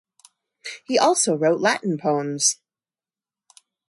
He also wrote Latin poems.